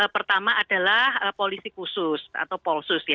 pertama adalah polisi khusus atau polsus